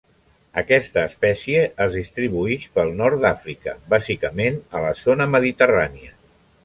Aquesta espècie es distribuïx pel Nord d'Àfrica bàsicament a la zona mediterrània.